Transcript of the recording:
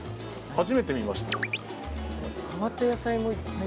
初めて見ました。